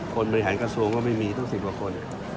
คนบริหารกระทรวงก็ไม่มีถึง๑๐ตัวคน